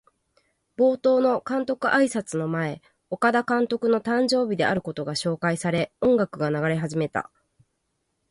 冒頭の監督あいさつの前、岡田監督の誕生日であることが紹介され、音楽が流れ始めた。